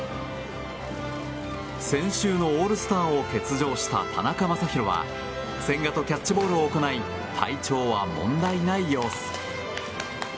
先週のオールスターを欠場した田中将大は千賀とキャッチボールを行い体調は問題ない様子。